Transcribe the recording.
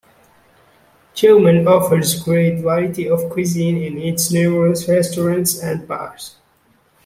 Tyumen offers a great variety of cuisine in its numerous restaurants and bars.